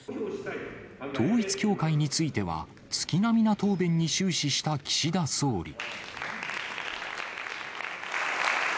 統一教会については、月並みな答弁に終始した岸田総理。